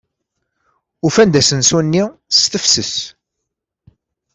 Ufan-d asensu-nni s tefses.